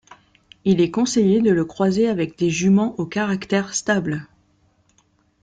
Il est conseillé de le croiser avec des juments au caractère stable.